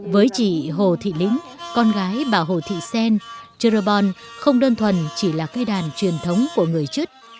với chị hồ thị lính con gái bà hồ thị xen cherubon không đơn thuần chỉ là cây đàn truyền thống của người chứt